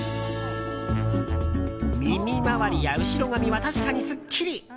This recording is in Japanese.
耳周りや後ろ髪は確かにすっきり。